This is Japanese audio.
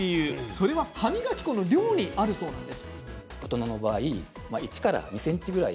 それは、歯磨き粉の量にあるそうなんです。